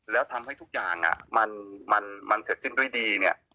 แล้วทำให้ทุกอย่างมันเสร็จสิ้นด้วยดีเนี่ย